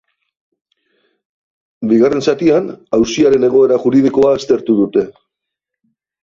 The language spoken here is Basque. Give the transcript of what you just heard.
Bigarren zatian, auziaren egoera juridikoa aztertu dute.